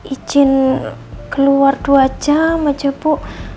izin keluar dua jam aja bu